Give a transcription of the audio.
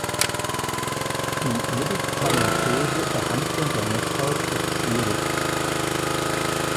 Die medikamentöse Behandlung der Netzhaut ist schwierig.